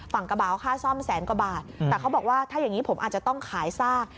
กระเป๋าค่าซ่อมแสนกว่าบาทแต่เขาบอกว่าถ้าอย่างนี้ผมอาจจะต้องขายซาก